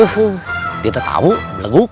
kita tahu legu